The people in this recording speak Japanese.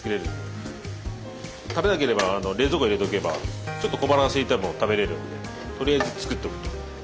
食べなければ冷蔵庫に入れておけばちょっと小腹がすいても食べれるんでとりあえず作っておくと。